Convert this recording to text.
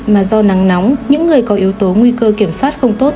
mà do nắng nóng những người có yếu tố nguy cơ kiểm soát không tốt